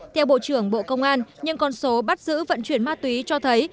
theo bộ trưởng bộ công an những con số bắt giữ vận chuyển ma túy cho thấy